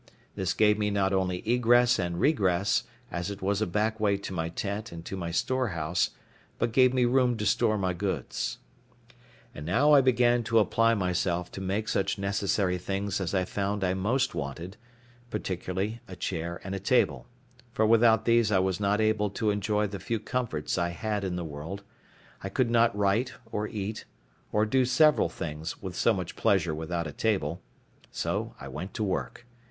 This gave me not only egress and regress, as it was a back way to my tent and to my storehouse, but gave me room to store my goods. And now I began to apply myself to make such necessary things as I found I most wanted, particularly a chair and a table; for without these I was not able to enjoy the few comforts I had in the world; I could not write or eat, or do several things, with so much pleasure without a table: so I went to work.